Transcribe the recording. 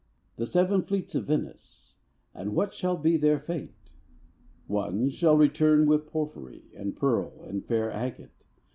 The seven fleets of Venice And what shall be their fate? One shall return with porphyry And pearl and fair agàte.